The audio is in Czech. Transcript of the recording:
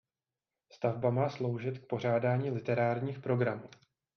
Stavba má sloužit k pořádání literárních programů.